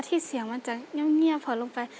คิดเสียงมันจะเงียบเผาลงไป